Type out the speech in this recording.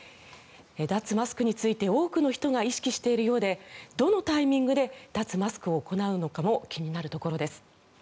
脱マスクについて多くの人が意識しているようでどのタイミングで脱マスクを行うのかも気になるところです。